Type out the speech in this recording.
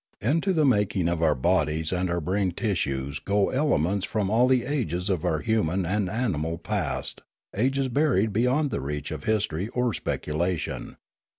Into the making of our bodies and our brain tissues go elements from all the ages of our human and animal past, ages buried beyond the reach of history or speculation.